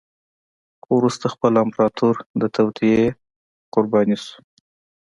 خو وروسته خپله امپراتور د توطیې قربان شو.